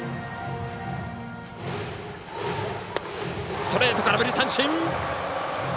ストレート、空振り三振！